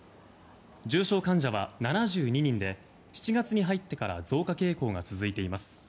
重症患者は７２人で７月に入ってから増加傾向が続いています。